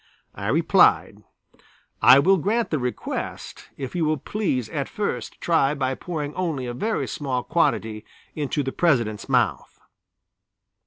I replied: "I will grant the request, if you will please at first try by pouring only a very small quantity into the President's mouth."